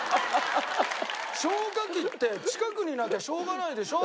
消火器って近くになきゃしょうがないでしょ。